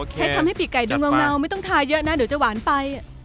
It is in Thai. ใช้ทำให้ปีกไก่ดูเงาไม่ต้องทาเยอะนะเดี๋ยวจะหวานไป